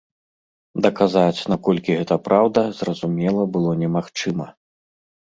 Даказаць, наколькі гэта праўда, зразумела, было немагчыма.